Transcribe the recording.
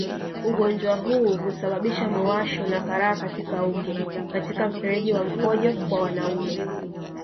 Ugonjwa huu husababisha muwasho na karaha katika uke katika mfereji wa mkojo kwa wanaume